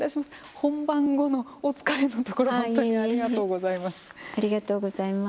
本番後のお疲れのところ、本当にありがとうございます。